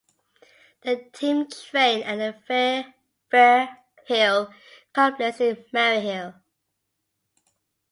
The team train at the Firhill Complex in Maryhill.